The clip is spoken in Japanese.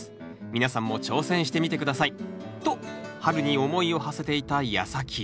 皆さんも挑戦してみてください。と春に思いをはせていたやさき。